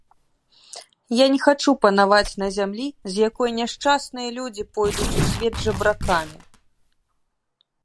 Я не хачу панаваць на зямлі, з якой няшчасныя людзі пойдуць у свет жабракамі.